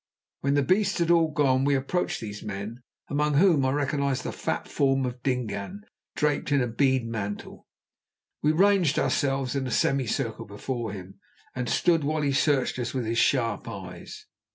When the beasts had all gone we approached these men, among whom I recognised the fat form of Dingaan draped in a bead mantle. We ranged ourselves in a semicircle before him, and stood while he searched us with his sharp eyes.